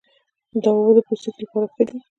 دا اوبه د پوستکي لپاره ښې دي.